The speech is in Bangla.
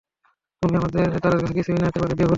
তুমি তাদের কাছে কিছুই না, একেবারেই বেহুদা?